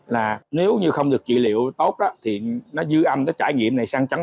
là nếu như không được trị liệu tốt thì nó dư âm cái trải nghiệm này sang trắng